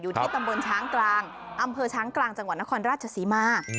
ที่ตำบลช้างกลางอำเภอช้างกลางจังหวัดนครราชศรีมา